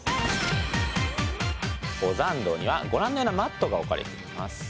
登山道にはご覧のようなマットが置かれています。